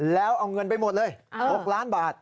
แล้วเอาเงินไปหมดเลย๖ล้านบาท